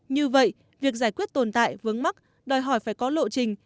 như vậy việc giải quyết tồn tại vướng mắc đòi hỏi phải có lộ trình